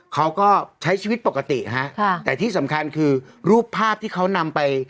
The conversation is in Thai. เขาก็ใช้ชีวิตปกติฮะค่ะแต่ที่สำคัญคือรูปภาพที่เขานำไป